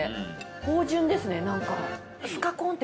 芳醇ですね何か。